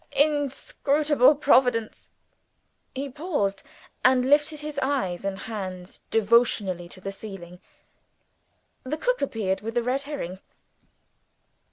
Inscrutable Providence!" He paused, and lifted his eyes and hands devotionally to the ceiling. The cook appeared with the red herring.